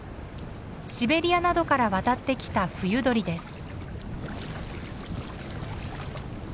シベリアなどから渡ってきた冬鳥です。